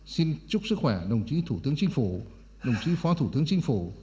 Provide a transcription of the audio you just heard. xin chúc sức khỏe đồng chí thủ tướng chính phủ đồng chí phó thủ tướng chính phủ